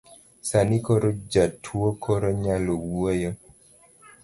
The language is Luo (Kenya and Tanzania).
Sani koro jatuo koro nyalo wuoyo